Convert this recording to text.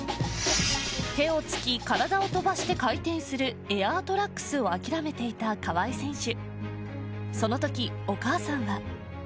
手をつき体を飛ばして回転するエアートラックスを諦めていた河合選手